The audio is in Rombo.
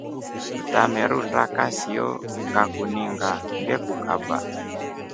Utamerunda kasiyo ngakuninga ngekukaba.